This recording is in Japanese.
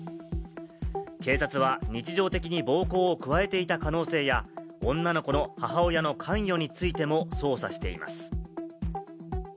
警察は日常的に暴行を加えていた可能性や、女の子の母親の関与についても捜査しています。